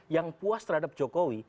yang puas terhadap jokowi